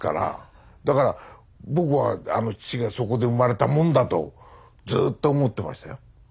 だから僕は父がそこで生まれたもんだとずっと思ってましたよ。